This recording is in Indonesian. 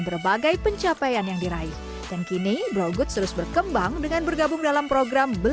berbagai pencapaian yang diraih dan kini brow good terus berkembang dengan bergabung dalam program